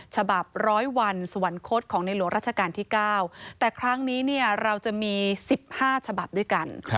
ฉบับ๑๐๐วันสวรรคตของในหลวงราชการที่๙แต่ครั้งนี้เราจะมี๑๕ฉบับด้วยกัน